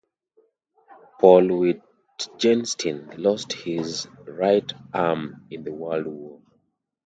Paul Wittgenstein lost his right arm in the World War.